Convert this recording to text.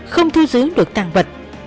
không thu giữ được tàng vật